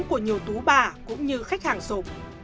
của nhiều tú bà cũng như khách hàng sổ